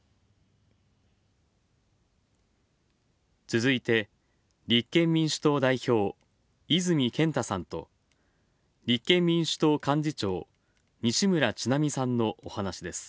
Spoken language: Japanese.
続いて、立憲民主党代表泉健太さんと立憲民主党幹事長西村智奈美さんのお話です。